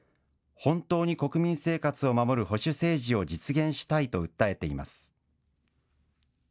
本当に国民生活を守る保守政治を実現したいと訴えています。